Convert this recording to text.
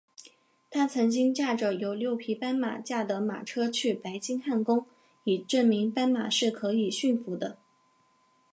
他曾经驾着由六匹斑马驾的马车去白金汉宫以证明斑马是可以驯服的。